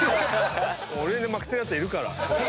俺に負けてるやついるから。